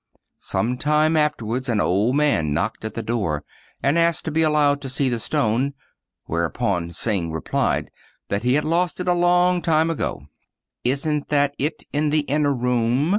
Some time afterwards an old man knocked at the door and asked to be allowed to see the stone; where upon Hsing replied that he had lost it a long time ago. "Isn't that it in the inner room?